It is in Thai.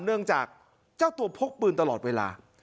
เนื่องจากเจ้าตัวพกปืนตลอดเวลา